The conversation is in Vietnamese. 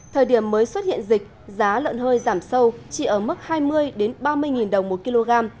thời điểm mới xuất hiện dịch giá lợn hơi giảm sâu chỉ ở mức hai mươi ba mươi đồng một kg